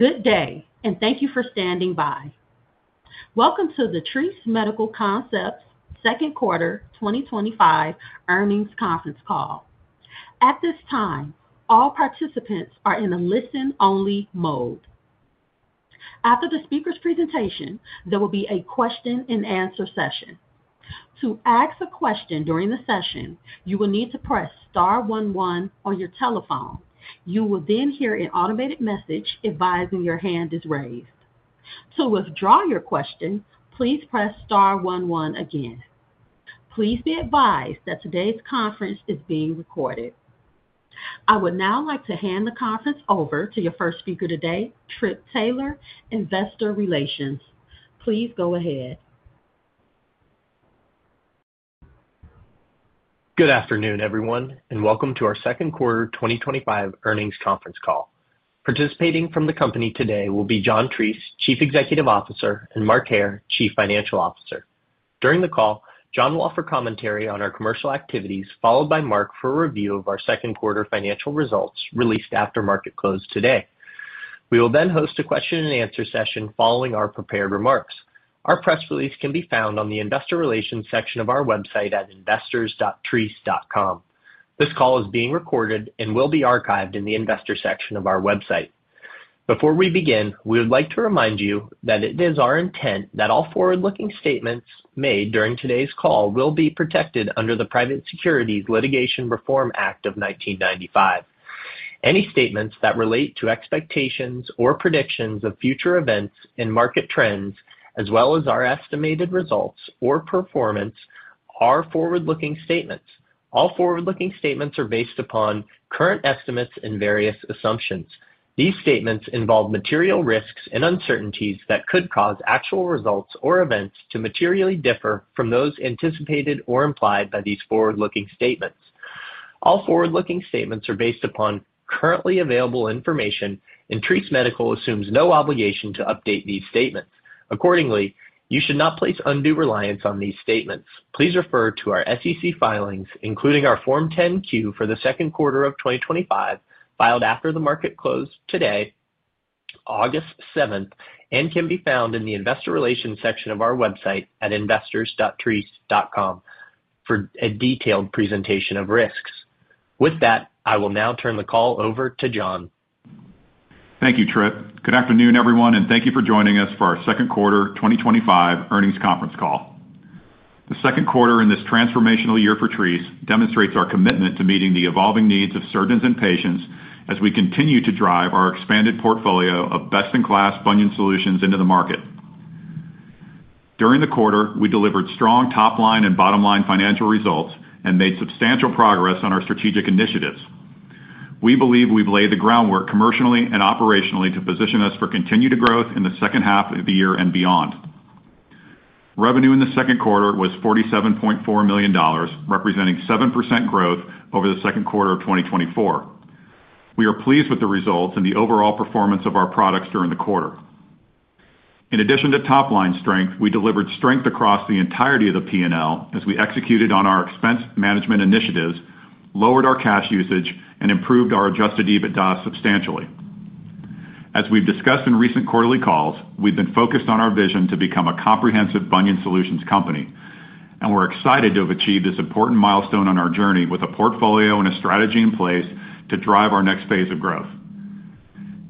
Good day, and thank you for standing by. Welcome to the Treace Medical Concepts Second Quarter 2025 Earnings Conference Call. At this time, all participants are in a listen-only mode. After the speaker's presentation, there will be a question and answer session. To ask a question during the session, you will need to press star one one on your telephone. You will then hear an automated message advising your hand is raised. To withdraw your question, please press star one one again. Please be advised that today's conference is being recorded. I would now like to hand the conference over to your first speaker today, Trip Taylor, Investor Relations. Please go ahead. Good afternoon, everyone, and welcome to our second quarter 2025 earnings conference call. Participating from the company today will be John Treace, Chief Executive Officer, and Mark Hair, Chief Financial Officer. During the call, John will offer commentary on our commercial activities, followed by Mark for a review of our second quarter financial results released after market close today. We will then host a question and answer session following our prepared remarks. Our press release can be found on the Investor Relations section of our website at investors.treace.com. This call is being recorded and will be archived in the Investor section of our website. Before we begin, we would like to remind you that it is our intent that all forward-looking statements made during today's call will be protected under the Private Securities Litigation Reform Act of 1995. Any statements that relate to expectations or predictions of future events and market trends, as well as our estimated results or performance, are forward-looking statements. All forward-looking statements are based upon current estimates and various assumptions. These statements involve material risks and uncertainties that could cause actual results or events to materially differ from those anticipated or implied by these forward-looking statements. All forward-looking statements are based upon currently available information, and Treace Medical assumes no obligation to update these statements. Accordingly, you should not place undue reliance on these statements. Please refer to our SEC filings, including our Form 10-Q for the second quarter of 2025, filed after the market close today, August 7th, and can be found in the Investor Relations section of our website at investors.treace.com for a detailed presentation of risks. With that, I will now turn the call over to John. Thank you, Trip. Good afternoon, everyone, and thank you for joining us for our second quarter 2025 earnings conference call. The second quarter in this transformational year for Treace demonstrates our commitment to meeting the evolving needs of surgeons and patients as we continue to drive our expanded portfolio of best-in-class bunion solutions into the market. During the quarter, we delivered strong top-line and bottom-line financial results and made substantial progress on our strategic initiatives. We believe we've laid the groundwork commercially and operationally to position us for continued growth in the second half of the year and beyond. Revenue in the second quarter was $47.4 million, representing 7% growth over the second quarter of 2024. We are pleased with the results and the overall performance of our products during the quarter. In addition to top-line strength, we delivered strength across the entirety of the P&L as we executed on our expense management initiatives, lowered our cash usage, and improved our adjusted EBITDA substantially. As we've discussed in recent quarterly calls, we've been focused on our vision to become a comprehensive bunion solutions company, and we're excited to have achieved this important milestone on our journey with a portfolio and a strategy in place to drive our next phase of growth.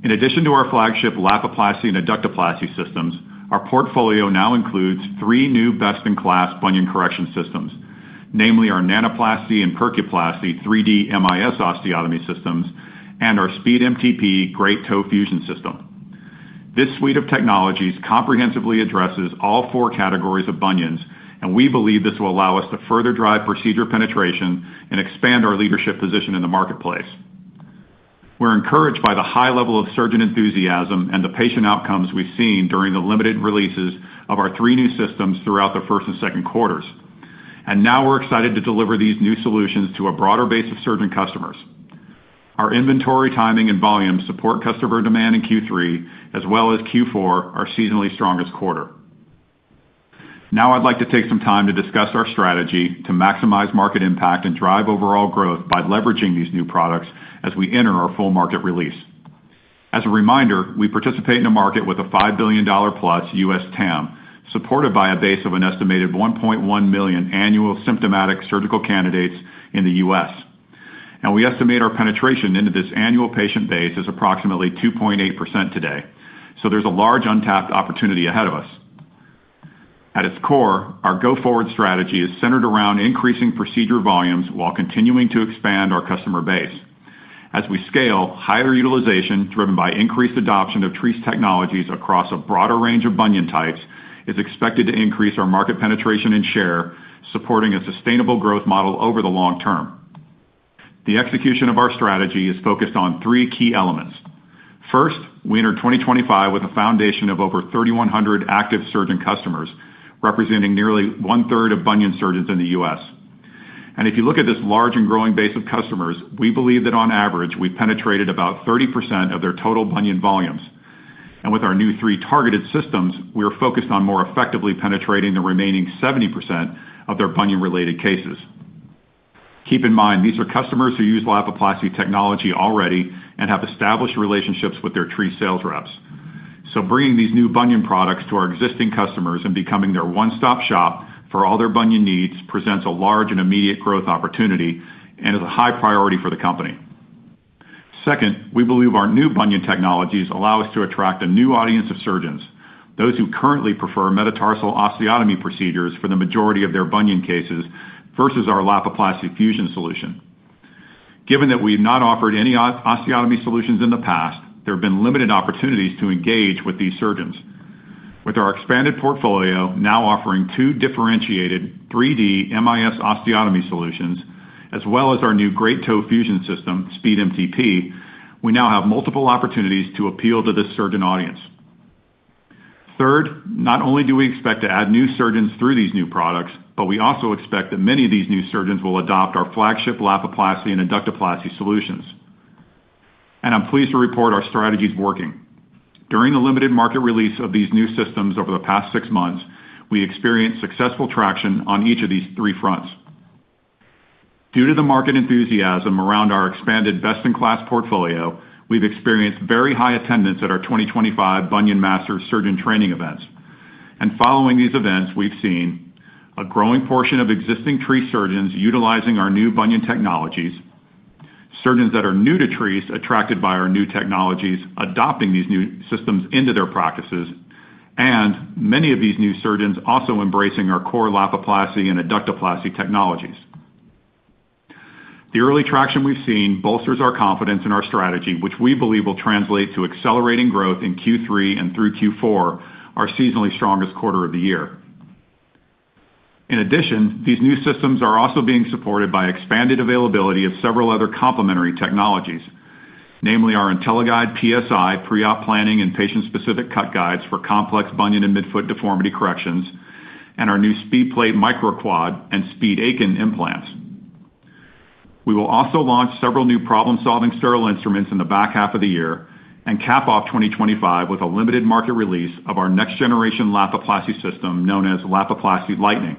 In addition to our flagship Lapiplasty Adductoplasty Systems, our portfolio now includes three new best-in-class bunion correction systems, namely our Nanoplasty and Percuplasty 3D MIS osteotomy systems and our SpeedMTP Great Toe Fusion system. This suite of technologies comprehensively addresses all four categories of bunions, and we believe this will allow us to further drive procedure penetration and expand our leadership position in the marketplace. We are encouraged by the high level of surgeon enthusiasm and the patient outcomes we've seen during the limited releases of our three new systems throughout the first and second quarters. We are excited to deliver these new solutions to a broader base of surgeon customers. Our inventory timing and volume support customer demand in Q3, as well as Q4, our seasonally strongest quarter. I would like to take some time to discuss our strategy to maximize market impact and drive overall growth by leveraging these new products as we enter our full market release. As a reminder, we participate in a market with a $5+ billion U.S. TAM, supported by a base of an estimated 1.1 million annual symptomatic surgical candidates in the U.S. We estimate our penetration into this annual patient base is approximately 2.8% today. There is a large untapped opportunity ahead of us. At its core, our go-forward strategy is centered around increasing procedure volumes while continuing to expand our customer base. As we scale, higher utilization, driven by increased adoption of Treace technologies across a broader range of bunion types, is expected to increase our market penetration and share, supporting a sustainable growth model over the long term. The execution of our strategy is focused on three key elements. First, we enter 2025 with a foundation of over 3,100 active surgeon customers, representing nearly 1/3 of bunion surgeons in the U.S. If you look at this large and growing base of customers, we believe that on average, we've penetrated about 30% of their total bunion volumes. With our new three targeted systems, we are focused on more effectively penetrating the remaining 70% of their bunion-related cases. Keep in mind, these are customers who use Lapiplasty technology already and have established relationships with their Treace sales reps. Bringing these new bunion products to our existing customers and becoming their one-stop shop for all their bunion needs presents a large and immediate growth opportunity and is a high priority for the company. Second, we believe our new bunion technologies allow us to attract a new audience of surgeons, those who currently prefer metatarsal osteotomy procedures for the majority of their bunion cases versus our Lapiplasty fusion solution. Given that we have not offered any osteotomy solutions in the past, there have been limited opportunities to engage with these surgeons. With our expanded portfolio now offering two differentiated 3D MIS osteotomy solutions, as well as our new Great Toe Fusion system, SpeedMTP, we now have multiple opportunities to appeal to this surgeon audience. Third, not only do we expect to add new surgeons through these new products, but we also expect that many of these new surgeons will adopt our flagship Lapiplasty and Adductoplasty solutions. I'm pleased to report our strategy is working. During the limited market release of these new systems over the past six months, we experienced successful traction on each of these three fronts. Due to the market enthusiasm around our expanded best-in-class portfolio, we've experienced very high attendance at our 2025 Bunion Masters Surgeon Training events. Following these events, we've seen a growing portion of existing Treace surgeons utilizing our new bunion technologies, surgeons that are new to Treace, attracted by our new technologies, adopting these new systems into their practices, and many of these new surgeons also embracing our core Lapiplasty and Adductoplasty technologies. The early traction we've seen bolsters our confidence in our strategy, which we believe will translate to accelerating growth in Q3 and through Q4, our seasonally strongest quarter of the year. In addition, these new systems are also being supported by expanded availability of several other complementary technologies, namely our IntelliGuide PSI pre-op planning and patient-specific cut guides for complex bunion and midfoot deformity corrections, and our new SpeedPlate MicroQuad and SpeedAkin implants. We will also launch several new problem-solving sterile instruments in the back half of the year and cap off 2025 with a limited market release of our next-generation Lapiplasty system known as Lapiplasty Lightning.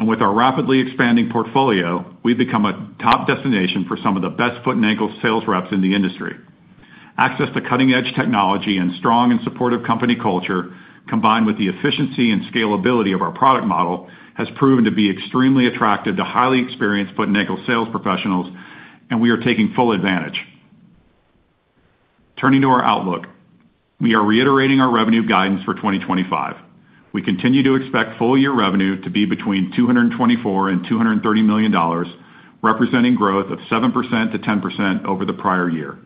With our rapidly expanding portfolio, we've become a top destination for some of the best foot and ankle sales reps in the industry. Access to cutting-edge technology and strong and supportive company culture, combined with the efficiency and scalability of our product model, has proven to be extremely attractive to highly experienced foot and ankle sales professionals, and we are taking full advantage. Turning to our outlook, we are reiterating our revenue guidance for 2025. We continue to expect full-year revenue to be between $224 million and $230 million, representing growth of 7%-10% over the prior year.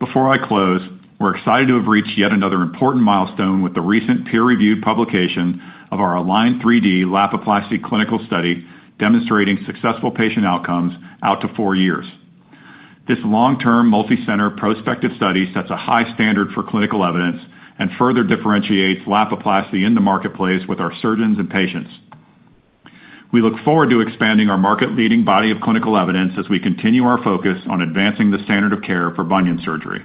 Before I close, we're excited to have reached yet another important milestone with the recent peer-reviewed publication of our aligned 3D Lapiplasty clinical study, demonstrating successful patient outcomes out to four years. This long-term multi-center prospective study sets a high standard for clinical evidence and further differentiates Lapiplasty in the marketplace with our surgeons and patients. We look forward to expanding our market-leading body of clinical evidence as we continue our focus on advancing the standard of care for bunion surgery.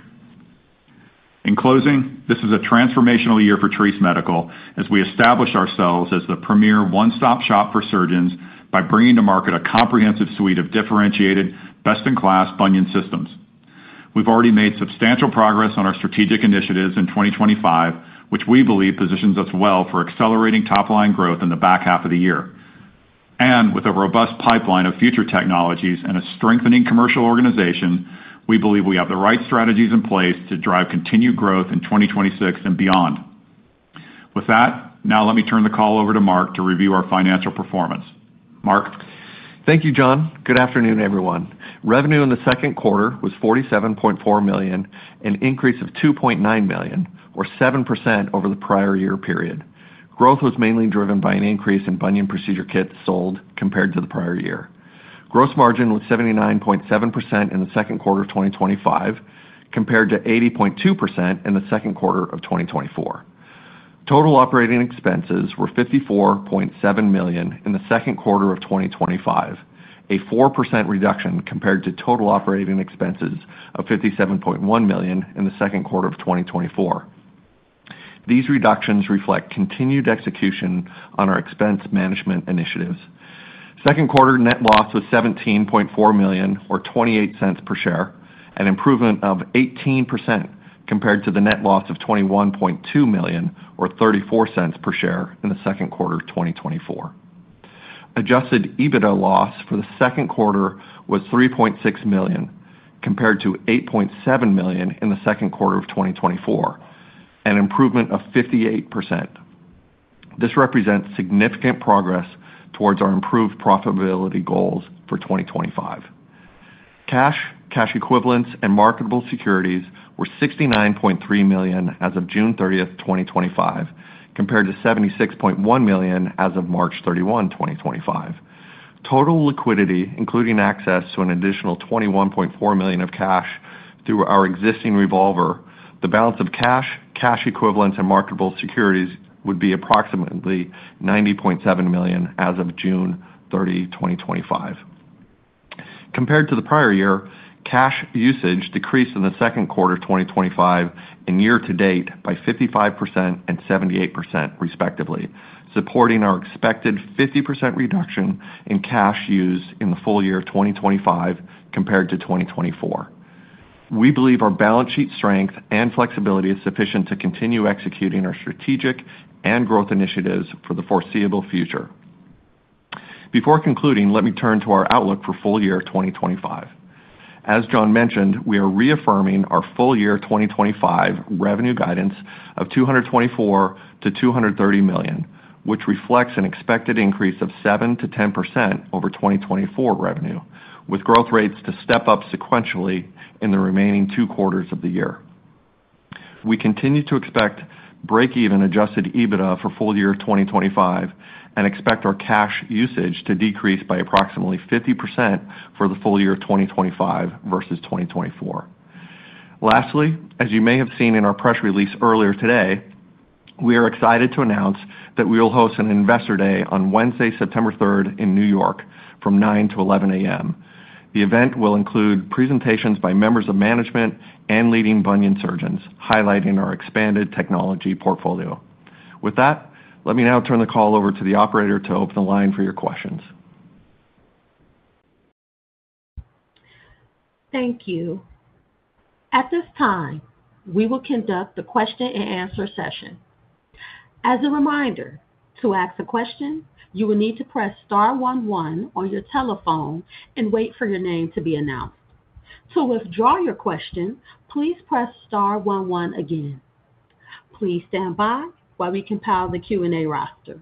In closing, this is a transformational year for Treace Medical as we establish ourselves as the premier one-stop shop for surgeons by bringing to market a comprehensive suite of differentiated best-in-class bunion systems. We've already made substantial progress on our strategic initiatives in 2025, which we believe positions us well for accelerating top-line growth in the back half of the year. With a robust pipeline of future technologies and a strengthening commercial organization, we believe we have the right strategies in place to drive continued growth in 2026 and beyond. With that, now let me turn the call over to Mark to review our financial performance. Mark. Thank you, John. Good afternoon, everyone. Revenue in the second quarter was $47.4 million, an increase of $2.9 million, or 7% over the prior year period. Growth was mainly driven by an increase in bunion procedure kits sold compared to the prior year. Gross margin was 79.7% in the second quarter of 2025, compared to 80.2% in the second quarter of 2024. Total operating expenses were $54.7 million in the second quarter of 2025, a 4% reduction compared to total operating expenses of $57.1 million in the second quarter of 2024. These reductions reflect continued execution on our expense management initiatives. Second quarter net loss was $17.4 million, or $0.28 per share, an improvement of 18% compared to the net loss of $21.2 million, or $0.34 per share in the second quarter of 2024. Adjusted EBITDA loss for the second quarter was $3.6 million, compared to $8.7 million in the second quarter of 2024, an improvement of 58%. This represents significant progress towards our improved profitability goals for 2025. Cash, cash equivalents, and marketable securities were $69.3 million as of June 30, 2025, compared to $76.1 million as of March 31, 2025. Total liquidity, including access to an additional $21.4 million of cash through our existing revolver, the balance of cash, cash equivalents, and marketable securities would be approximately $90.7 million as of June 30, 2025. Compared to the prior year, cash usage decreased in the second quarter of 2025 and year to date by 55% and 78% respectively, supporting our expected 50% reduction in cash use in the full year 2025 compared to 2024. We believe our balance sheet strength and flexibility is sufficient to continue executing our strategic and growth initiatives for the foreseeable future. Before concluding, let me turn to our outlook for full year 2025. As John mentioned, we are reaffirming our full year 2025 revenue guidance of $224 million-$230 million, which reflects an expected increase of 7%-10% over 2024 revenue, with growth rates to step up sequentially in the remaining two quarters of the year. We continue to expect break-even adjusted EBITDA for full year 2025 and expect our cash usage to decrease by approximately 50% for the full year 2025 versus 2024. Lastly, as you may have seen in our press release earlier today, we are excited to announce that we will host an Investor Day on Wednesday, September 3, in New York from 9:00 A.M. to 11:00 A.M. The event will include presentations by members of management and leading bunion surgeons, highlighting our expanded technology portfolio. With that, let me now turn the call over to the operator to open the line for your questions. Thank you. At this time, we will conduct the question and answer session. As a reminder, to ask a question, you will need to press star one one on your telephone and wait for your name to be announced. To withdraw your question, please press star one one again. Please stand by while we compile the Q&A roster.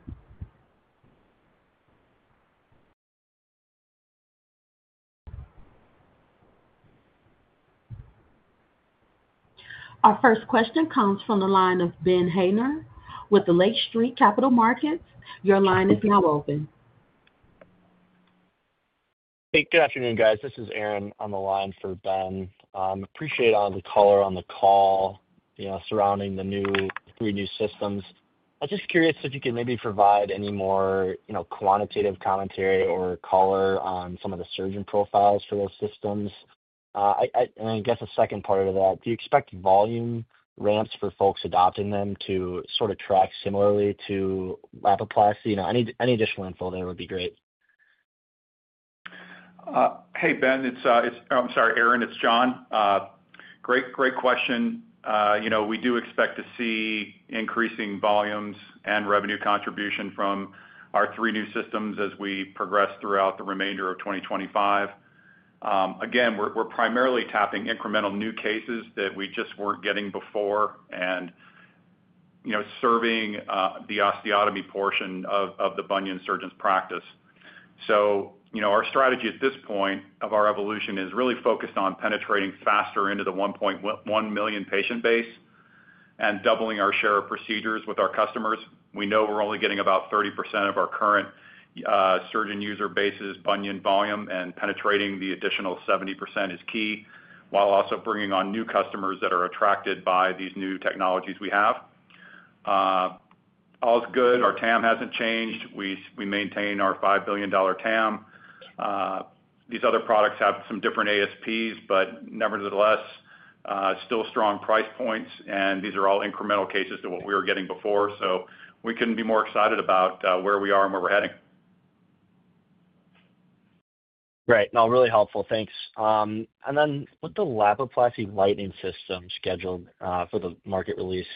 Our first question comes from the line of Ben Hayner with Lake Street Capital Markets. Your line is now open. Hey, good afternoon, guys. This is Aaron on the line for Ben. I appreciate all the color on the call, you know, surrounding the three new systems. I was just curious if you could maybe provide any more, you know, quantitative commentary or color on some of the surgeon profiles for those systems. I guess the second part of that, do you expect volume ramps for folks adopting them to sort of track similarly to Lapiplasty? You know, any additional info there would be great. Hey, Ben. I'm sorry, Aaron. It's John. Great, great question. We do expect to see increasing volumes and revenue contribution from our three new systems as we progress throughout the remainder of 2025. We're primarily tapping incremental new cases that we just weren't getting before and serving the osteotomy portion of the bunion surgeon's practice. Our strategy at this point of our evolution is really focused on penetrating faster into the 1.1 million patient base and doubling our share of procedures with our customers. We know we're only getting about 30% of our current surgeon user base's bunion volume, and penetrating the additional 70% is key while also bringing on new customers that are attracted by these new technologies we have. All's good. Our TAM hasn't changed. We maintain our $5 billion TAM. These other products have some different ASPs, but nevertheless, still strong price points, and these are all incremental cases to what we were getting before. We couldn't be more excited about where we are and where we're heading. Right. No, really helpful. Thanks. With the Lapiplasty Lightning system scheduled for the market release,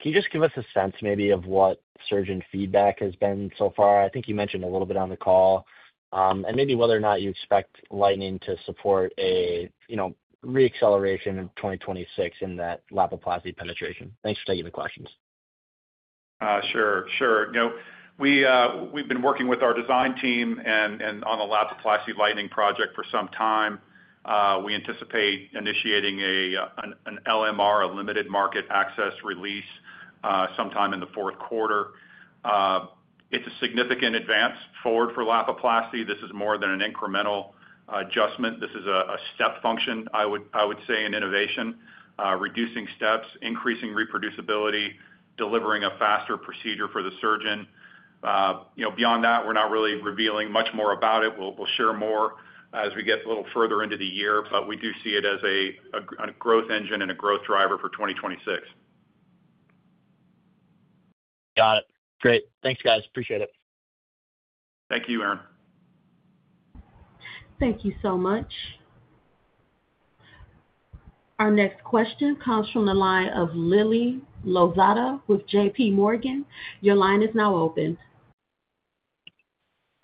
can you just give us a sense maybe of what surgeon feedback has been so far? I think you mentioned a little bit on the call, and maybe whether or not you expect Lightning to support a, you know, reacceleration in 2026 in that Lapiplasty penetration. Thanks for taking the questions. Sure. We've been working with our design team on the Lapiplasty Lightning project for some time. We anticipate initiating an LMR, a limited market access release, sometime in the fourth quarter. It's a significant advance forward for Lapiplasty. This is more than an incremental adjustment. This is a step function, I would say, an innovation, reducing steps, increasing reproducibility, delivering a faster procedure for the surgeon. Beyond that, we're not really revealing much more about it. We'll share more as we get a little further into the year, but we do see it as a growth engine and a growth driver for 2026. Got it. Great. Thanks, guys. Appreciate it. Thank you, Aaron. Thank you so much. Our next question comes from the line of Lily Lozada with JPMorgan. Your line is now open.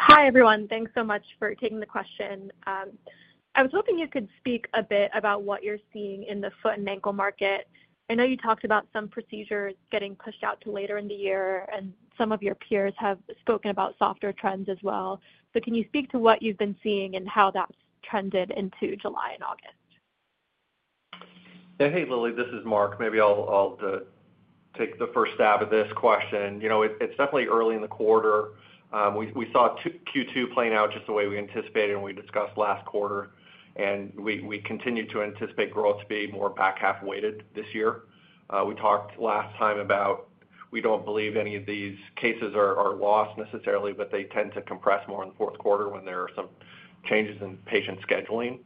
Hi, everyone. Thanks so much for taking the question. I was hoping you could speak a bit about what you're seeing in the foot and ankle market. I know you talked about some procedures getting pushed out to later in the year, and some of your peers have spoken about softer trends as well. Can you speak to what you've been seeing and how that's trended into July and August? Yeah. Hey, Lily. This is Mark. Maybe I'll take the first stab at this question. It's definitely early in the quarter. We saw Q2 playing out just the way we anticipated when we discussed last quarter, and we continue to anticipate growth to be more back half weighted this year. We talked last time about we don't believe any of these cases are lost necessarily, but they tend to compress more in the fourth quarter when there are some changes in patient scheduling.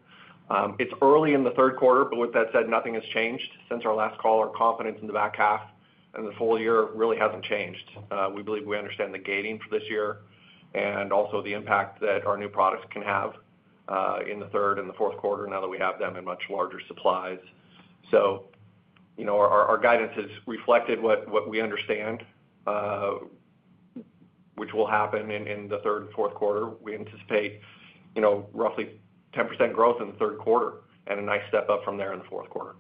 It's early in the third quarter, but with that said, nothing has changed since our last call. Our confidence in the back half and the full year really hasn't changed. We believe we understand the gating for this year and also the impact that our new products can have in the third and the fourth quarter now that we have them in much larger supplies. Our guidance has reflected what we understand, which will happen in the third and fourth quarter. We anticipate roughly 10% growth in the third quarter and a nice step up from there in the fourth quarter.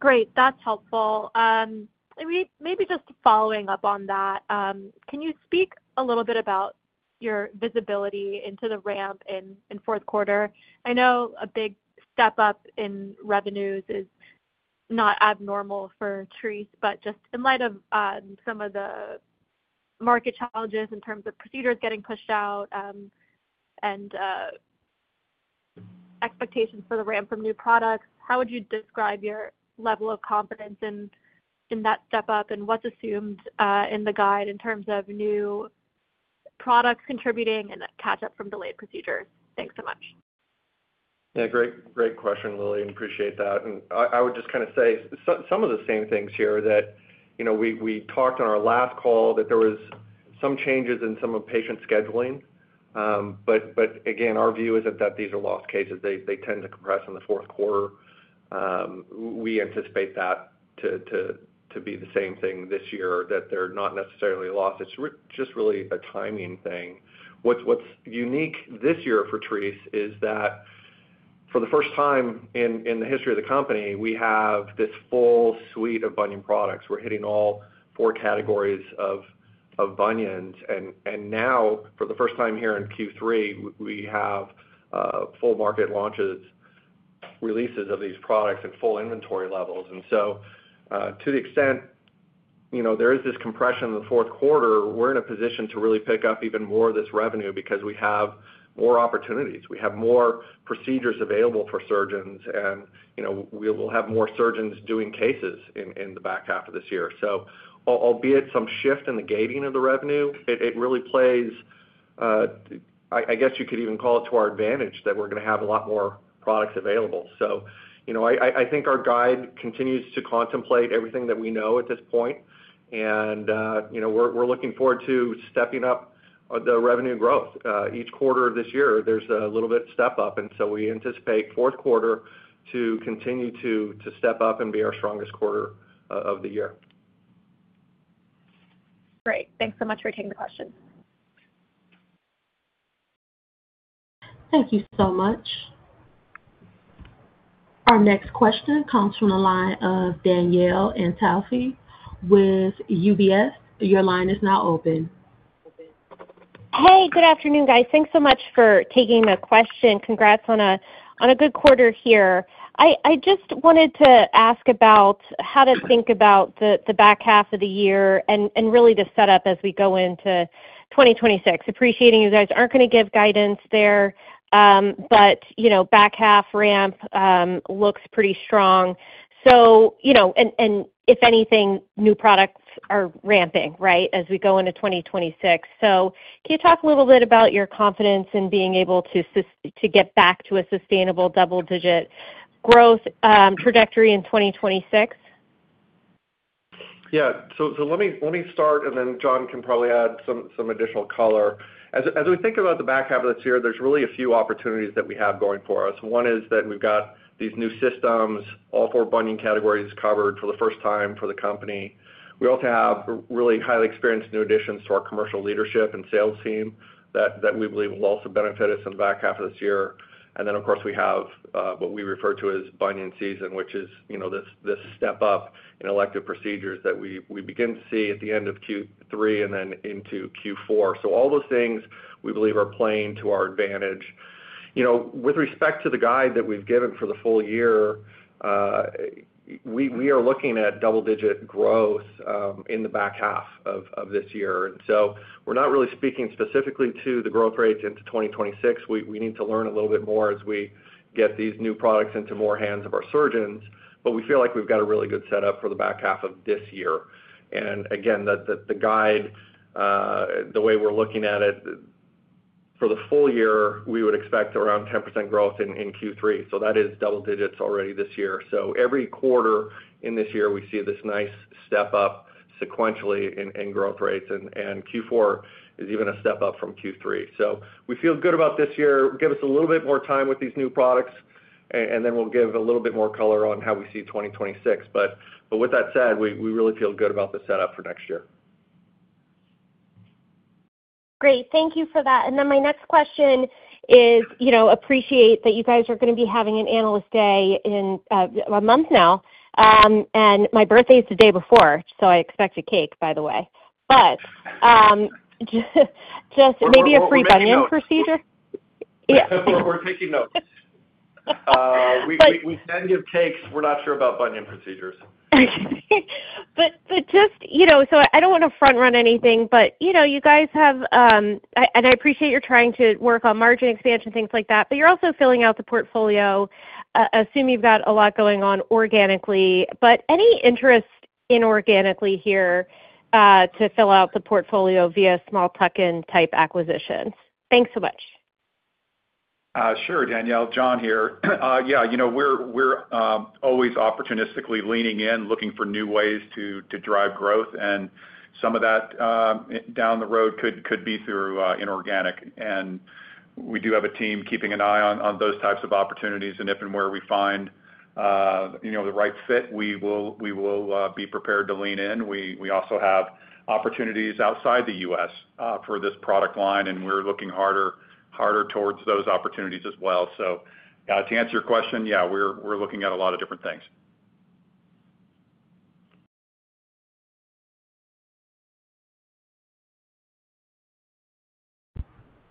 Great. That's helpful. Maybe just following up on that, can you speak a little bit about your visibility into the ramp in the fourth quarter? I know a big step up in revenues is not abnormal for Treace, but just in light of some of the market challenges in terms of procedures getting pushed out, and expectations for the ramp from new products, how would you describe your level of confidence in that step up and what's assumed in the guide in terms of new products contributing and that catch-up from delayed procedures? Thanks so much. Great question, Lily, and appreciate that. I would just kind of say some of the same things here that, you know, we talked on our last call that there were some changes in some of patient scheduling, but again, our view isn't that these are lost cases. They tend to compress in the fourth quarter. We anticipate that to be the same thing this year, that they're not necessarily lost. It's just really a timing thing. What's unique this year for Treace is that for the first time in the history of the company, we have this full suite of bunion products. We're hitting all four categories of bunions, and now, for the first time here in Q3, we have full market launches, releases of these products, and full inventory levels. To the extent there is this compression in the fourth quarter, we're in a position to really pick up even more of this revenue because we have more opportunities. We have more procedures available for surgeons, and we'll have more surgeons doing cases in the back half of this year. Albeit some shift in the gating of the revenue, it really plays, I guess you could even call it to our advantage that we're going to have a lot more products available. I think our guide continues to contemplate everything that we know at this point, and we're looking forward to stepping up the revenue growth. Each quarter of this year, there's a little bit step up, and we anticipate fourth quarter to continue to step up and be our strongest quarter of the year. Great, thanks so much for taking the question. Thank you so much. Our next question comes from the line of Danielle Antalffy with UBS. Your line is now open. Hey, good afternoon, guys. Thanks so much for taking the question. Congrats on a good quarter here. I just wanted to ask about how to think about the back half of the year and really the setup as we go into 2026. Appreciating you guys aren't going to give guidance there, but you know, back half ramp looks pretty strong. If anything, new products are ramping, right, as we go into 2026. Can you talk a little bit about your confidence in being able to get back to a sustainable double-digit growth trajectory in 2026? Let me start, and then John can probably add some additional color. As we think about the back half of this year, there's really a few opportunities that we have going for us. One is that we've got these new systems, all four bunion categories covered for the first time for the company. We also have really highly experienced new additions to our commercial leadership and sales team that we believe will also benefit us in the back half of this year. Of course, we have what we refer to as bunion season, which is this step up in elective procedures that we begin to see at the end of Q3 and then into Q4. All those things we believe are playing to our advantage. With respect to the guide that we've given for the full year, we are looking at double-digit growth in the back half of this year. We're not really speaking specifically to the growth rates into 2026. We need to learn a little bit more as we get these new products into more hands of our surgeons. We feel like we've got a really good setup for the back half of this year. Again, the guide, the way we're looking at it, for the full year, we would expect around 10% growth in Q3. That is double digits already this year. Every quarter in this year, we see this nice step up sequentially in growth rates, and Q4 is even a step up from Q3. We feel good about this year. Give us a little bit more time with these new products, and then we'll give a little bit more color on how we see 2026. We really feel good about the setup for next year. Great. Thank you for that. My next question is, you know, appreciate that you guys are going to be having an analyst day in a month now. My birthday is the day before, so I expect a cake, by the way. Maybe a free bunion procedure? Yeah. We're taking notes. We send you cakes. We're not sure about bunion procedures. I don't want to front-run anything, but you guys have, and I appreciate you're trying to work on margin expansion, things like that, but you're also filling out the portfolio. I assume you've got a lot going on organically. Any interest organically here to fill out the portfolio via small tuck-in type acquisition? Thanks so much. Sure, Danielle. John here. Yeah, you know, we're always opportunistically leaning in, looking for new ways to drive growth. Some of that, down the road, could be through inorganic. We do have a team keeping an eye on those types of opportunities, and if and where we find the right fit, we will be prepared to lean in. We also have opportunities outside the U.S. for this product line, and we're looking harder towards those opportunities as well. Yeah, to answer your question, we're looking at a lot of different things.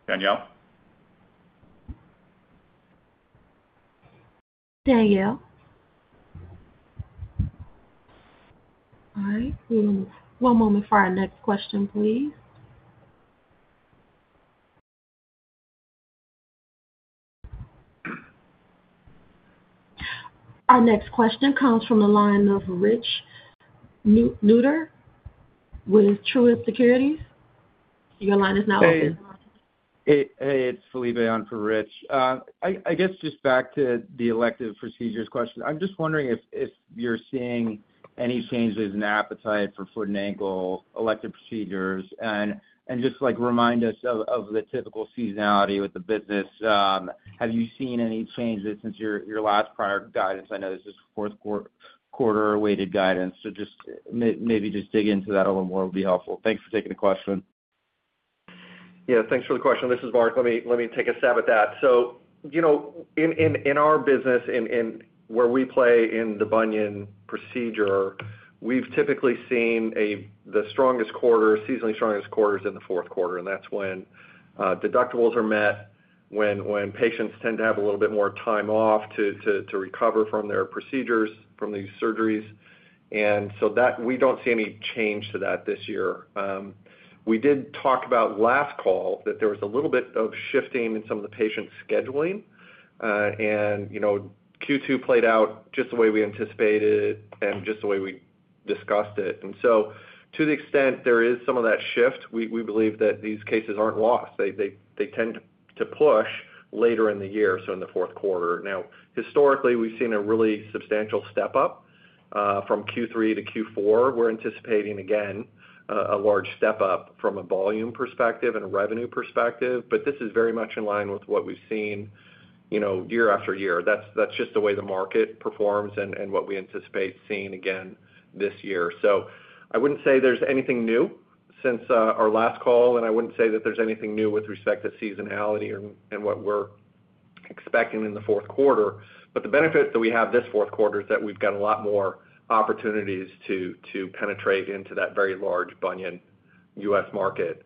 Danielle? Danielle? All right. Give me one moment for our next question, please. Our next question comes from the line of Rich Newitter with Truist Securities. Your line is now open. Hey, it's Felipe on for Rich. I guess just back to the elective procedures question. I'm just wondering if you're seeing any changes in appetite for foot and ankle elective procedures and just like remind us of the typical seasonality with the business. Have you seen any changes since your last prior guidance? I know this is fourth quarter weighted guidance. Maybe just dig into that a little more would be helpful. Thanks for taking the question. Yeah, thanks for the question. This is Mark. Let me take a stab at that. In our business, where we play in the bunion procedure, we've typically seen the strongest quarter, seasonally strongest quarters in the fourth quarter. That's when deductibles are met, when patients tend to have a little bit more time off to recover from their procedures, from these surgeries. We don't see any change to that this year. We did talk about last call that there was a little bit of shifting in some of the patient scheduling. You know, Q2 played out just the way we anticipated and just the way we discussed it. To the extent there is some of that shift, we believe that these cases aren't lost. They tend to push later in the year, in the fourth quarter. Historically, we've seen a really substantial step up from Q3 to Q4. We're anticipating again a large step up from a volume perspective and a revenue perspective. This is very much in line with what we've seen year after year. That's just the way the market performs and what we anticipate seeing again this year. I wouldn't say there's anything new since our last call, and I wouldn't say that there's anything new with respect to seasonality and what we're expecting in the fourth quarter. The benefit that we have this fourth quarter is that we've got a lot more opportunities to penetrate into that very large bunion U.S. market,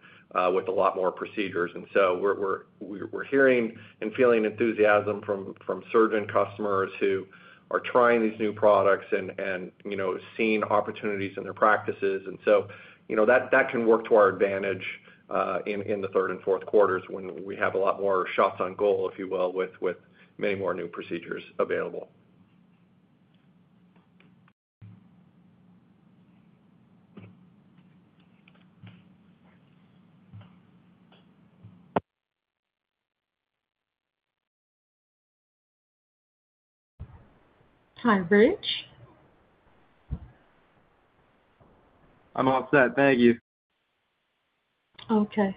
with a lot more procedures. We're hearing and feeling enthusiasm from surgeon customers who are trying these new products and seeing opportunities in their practices. That can work to our advantage in the third and fourth quarters when we have a lot more shots on goal, if you will, with many more new procedures available. Hi, Rich? I'm all set. Thank you. Okay.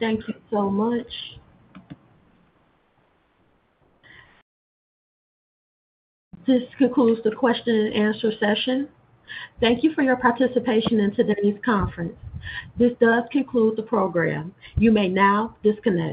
Thank you so much. This concludes the question and answer session. Thank you for your participation in today's conference. This does conclude the program. You may now disconnect.